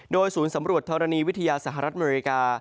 โดยศูนย์สำรวจธรณีวิทยาสหรัฐอเมริกา